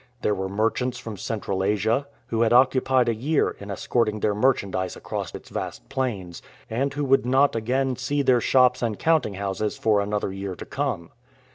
There were merchants from Central Asia, who had occupied a year in escorting their merchandise across its vast plains, and who would not again see their shops and counting houses for another year to come.